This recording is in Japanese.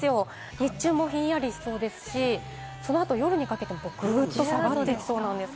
日中もひんやりしそうですし、そのあと夜にかけてもぐんと下がっていきそうなんです。